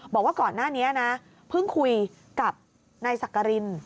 บอกว่าก่อนหน้านี้นะเพิ่งคุยกับนายสักกริน